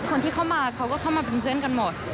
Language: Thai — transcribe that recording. คนที่เข้ามาเขาก็เข้ามาเป็นเพื่อนกันหมด